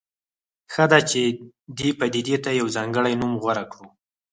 ښه ده چې دې پدیدې ته یو ځانګړی نوم غوره کړو.